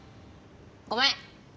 ごめん！